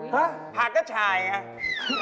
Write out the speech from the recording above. ห๊ะผักก็ฉายไง